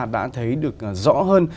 đã thấy được rõ hơn